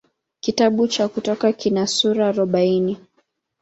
Kitabu cha Kutoka kina sura arobaini.